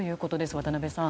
渡辺さん。